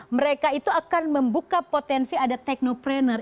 mereka itu akan membuka potensi ada teknopreneur